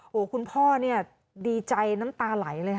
โอ้โหคุณพ่อเนี่ยดีใจน้ำตาไหลเลยค่ะ